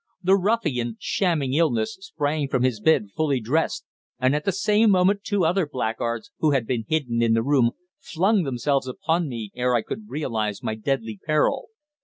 The ruffian shamming illness sprang from his bed fully dressed, and at the same moment two other blackguards, who had been hidden in the room, flung themselves upon me ere I could realize my deadly peril.